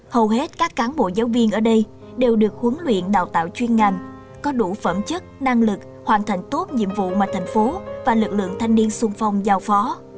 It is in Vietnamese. hầu hết các cán bộ giáo viên ở đây đều được huấn luyện đào tạo chuyên ngành có đủ phẩm chất năng lực hoàn thành tốt nhiệm vụ mà thành phố và lực lượng thanh niên sung phong giao phó